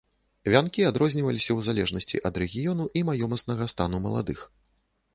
Вянкі адрозніваліся ў залежнасці ад рэгіёну і маёмаснага стану маладых.